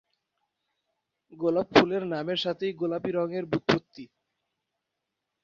গোলাপ ফুলের নামের সাথেই গোলাপি রঙের ব্যুৎপত্তি।